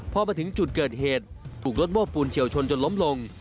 พอมาถึงจุดเกิดเหตุถูกรถโม้ปูนเฉียวชนจนล้มลง